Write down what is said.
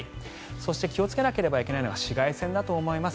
そして気をつけなければいけないのは紫外線だと思います。